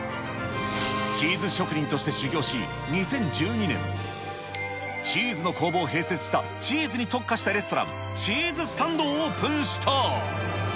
チーズ職人として修業し、２０１２年、チーズの工房を併設したチーズに特化したレストラン、チーズスタンドをオープンした。